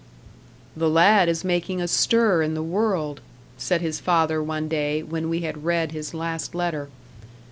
"The lad is making a stir in the world," said his father one day, when we had read his last letter.